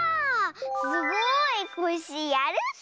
すごいコッシーやるッス。